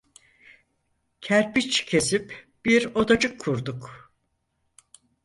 Kerpiç kesip bir odacık kurduk.